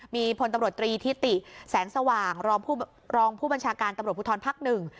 มีพลตำรวจตรีทิติแสงสว่างรองผู้รองผู้บัญชาการตำรวจภูทรภักดิ์หนึ่ง